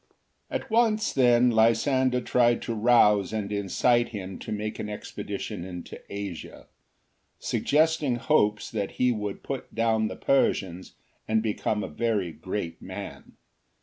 At once, then, Lysander tried to rouse and incite him to make an expedition into Asia, suggesting hopes that he would put down the Persians and become a very great man.